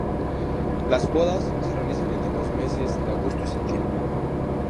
Las podas se realizan entre los meses de agosto y septiembre.